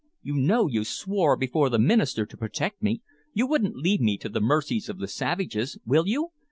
You know you swore before the minister to protect me. You won't leave me to the mercies of the savages, will you?